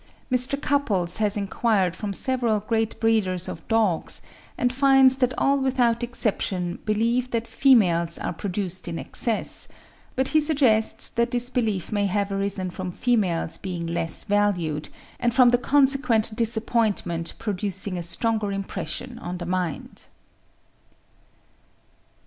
Mr. Cupples has enquired from several great breeders of dogs, and finds that all without exception believe that females are produced in excess; but he suggests that this belief may have arisen from females being less valued, and from the consequent disappointment producing a stronger impression on the mind.